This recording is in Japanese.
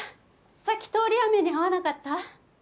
さっき通り雨にあわなかった？